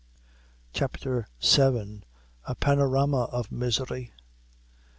CHAPTER VII. A Panorama of Misery.